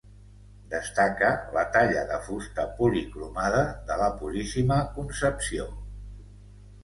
Destaca la talla de fusta policromada de la Puríssima Concepció.